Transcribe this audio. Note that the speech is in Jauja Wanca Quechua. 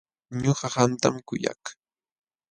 Ñuqa qamtam kuyak.